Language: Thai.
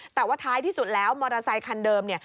แต่ว่าท้ายที่สุดแล้วมอเตอร์ไซคันเดิมเนี่ย